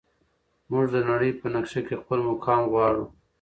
موږ د نړۍ په نقشه کې خپل مقام غواړو.